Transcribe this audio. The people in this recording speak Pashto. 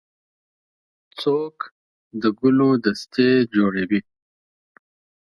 څوک د ګلو دستې جوړوي.